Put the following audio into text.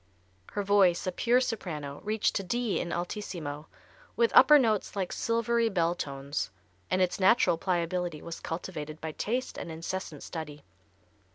Her voice, a pure soprano, reached to D in alt., with upper notes like silvery bell tones, and its natural pliability was cultivated by taste and incessant study.